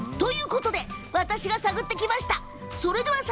私が探ってきました。